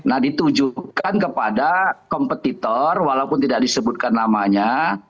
nah ditujukan kepada kompetitor walaupun tidak disebutkan namanya